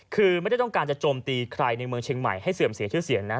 คือไม่ได้ต้องการจะโจมตีใครในเมืองเชียงใหม่ให้เสื่อมเสียชื่อเสียงนะ